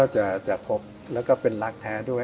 จะพบแล้วก็เป็นรักแท้ด้วย